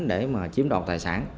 để mà chiếm đọc tài sản